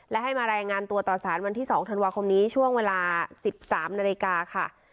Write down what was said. และให้มารายงานตัวต่อสารวันที่๒ธันวาคมนี้ช่วงเวลา๑๓นาฬิกาค่ะ